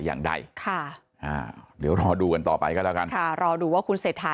อย่างใดค่ะอ่าเดี๋ยวรอดูกันต่อไปก็แล้วกันค่ะรอดูว่าคุณเศรษฐา